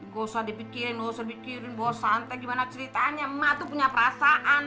gosok dipikirin gosok bikin bawa santai gimana ceritanya emak tuh punya perasaan